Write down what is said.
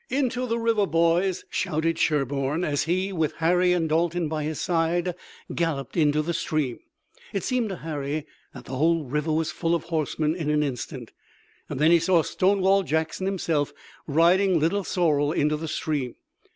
"Into the river, boys!" shouted Sherburne, as he with Harry and Dalton by his side galloped into the stream. It seemed to Harry that the whole river was full of horsemen in an instant, and then he saw Stonewall Jackson himself, riding Little Sorrel into the stream.